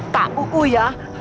tak buku ya